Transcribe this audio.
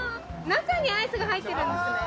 ・中にアイスが入ってるんですね・